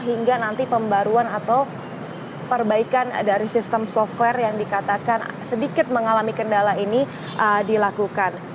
hingga nanti pembaruan atau perbaikan dari sistem software yang dikatakan sedikit mengalami kendala ini dilakukan